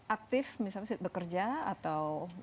aktif misalnya bekerja atau